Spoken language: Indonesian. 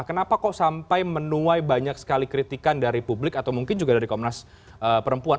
kenapa kok sampai menuai banyak sekali kritikan dari publik atau mungkin juga dari komnas perempuan